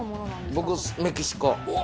僕、メキシコ。